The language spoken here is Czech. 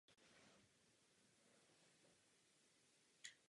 Větší automatičnost je přesně to, co navrhujeme.